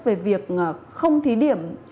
về việc không thí điểm